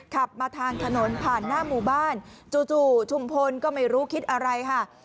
ขับมาทางถนนผ่านหน้าหมู่บ้านจู่ชุมพลก็ไม่รู้คิดอะไรค่ะ